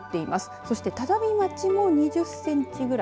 そして只見町も２０センチくらい。